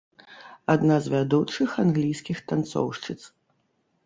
Адна з вядучых англійскіх танцоўшчыц.